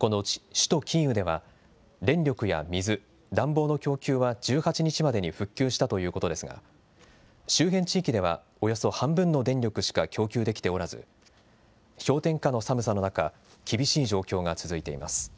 このうち首都キーウでは、電力や水、暖房の供給は１８日までに復旧したということですが、周辺地域では、およそ半分の電力しか供給できておらず、氷点下の寒さの中、厳しい状況が続いています。